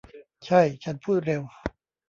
ใช่ ฉันพูดเร็ว